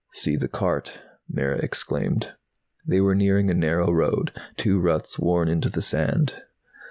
"See the cart!" Mara exclaimed. They were nearing a narrow road, two ruts worn into the sand.